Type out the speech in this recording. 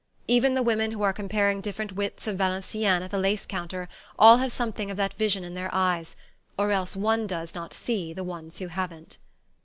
Even the women who are comparing different widths of Valenciennes at the lace counter all have something of that vision in their eyes or else one does not see the ones who haven't.